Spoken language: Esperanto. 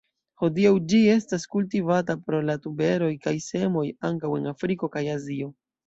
Hodiaŭ ĝi estas kultivata pro la tuberoj kaj semoj, ankaŭ en Afriko kaj Azio.